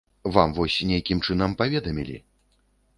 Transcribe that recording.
Вам вось нейкім чынам паведамілі.